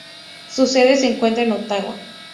Su sede se encuentra en Ottawa.